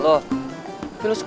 tapi lo sekurang kurangnya